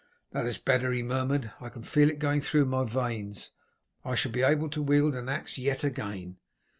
"That is better," he murmured. "I can feel it going through my veins. I shall be able to wield an axe yet again.